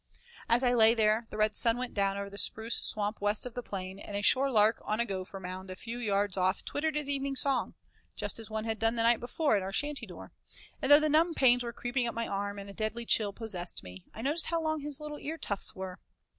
As I lay there the red sun went down over the spruce swamp west of the plain, and a shorelark on a gopher mound a few yards off twittered his evening song, just as one had done the night before at our shanty door, and though the numb pains were creeping up my arm, and a deadly chill possessed me, I noticed how long his little ear tufts were.